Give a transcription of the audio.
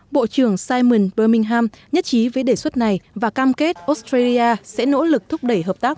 bộ trưởng simon bermingham nhất trí với đề xuất này và cam kết australia sẽ nỗ lực thúc đẩy hợp tác